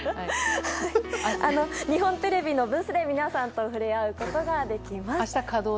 日本テレビのブースで皆さんと触れ合うことができます。